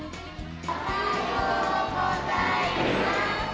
おはようございます。